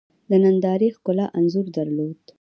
د نندارې ښکلا انځور درلود.